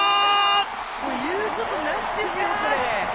言うことなしですよ、これ。